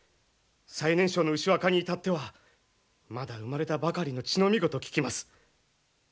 最年少の牛若に至ってはまだ生まれたばかりの乳飲み子と聞きます。